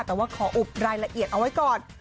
แต่ว่าขออุบรายละเอียดเอาไว้ก่อน